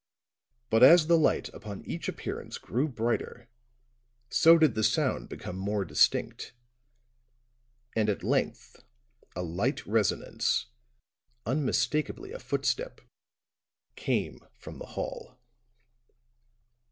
But as the light upon each appearance grew brighter, so did the sound become more distinct; and at length a light resonance, unmistakably a footstep, came from the hall.